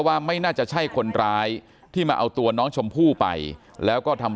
ว่าไม่น่าจะใช่คนร้ายที่มาเอาตัวน้องชมพู่ไปแล้วก็ทำ